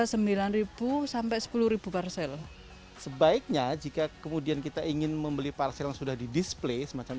sembilan ribu sampai sepuluh parsel sebaiknya jika kemudian kita ingin membeli parsel yang sudah di display semacam